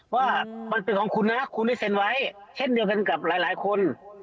ว่ามันเป็นของคุณนะคุณได้เซ็นไว้เช่นเดียวกันกับหลายคน